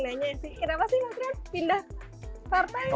nanya sih kenapa sih mbak priyan pindah partai